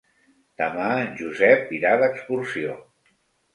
Demà en Josep irà d'excursió.